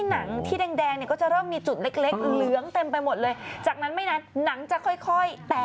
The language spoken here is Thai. เหลืองเต็มไปหมดเลยจากนั้นไม่นานหนังจะค่อยแตก